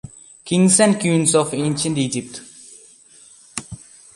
Kings and Queens of Ancient Egypt.